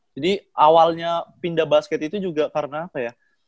jadi awalnya pindah basket itu juga karena apa ya